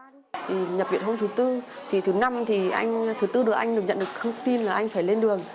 khi nhập viện hôm thứ tư thì thứ năm thì anh thứ tư được anh được nhận được thông tin là anh phải lên đường